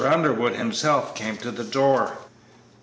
Underwood himself came to the door.